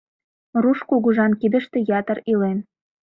Руш кугыжан кидыште ятыр илен.